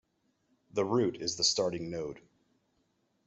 The root is the starting node.